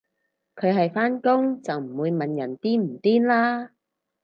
佢係返工就唔會問人癲唔癲啦